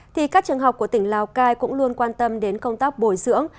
thì các trường học của tỉnh lào cai cũng luôn quan tâm đến công tác bồi dưỡng